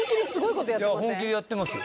いや本気でやってますよ。